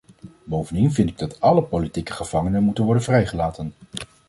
Bovendien vind ik dat alle politieke gevangen moeten worden vrijgelaten.